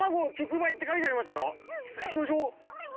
ちょっと行きましょう。